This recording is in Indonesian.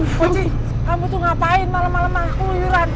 boci kamu tuh ngapain malem malem aku liran